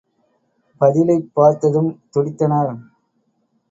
பதிலைப் பார்த்ததும், துடித்தனர்.